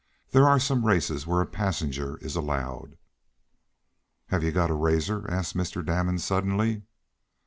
There are some races where a passenger is allowed." "Have you got a razor?" asked Mr. Damon suddenly.